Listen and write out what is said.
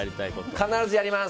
必ずやります！